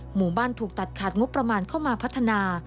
หมู่บ้านถูกตัดขาดงบประมาณเข้ามาพัฒนา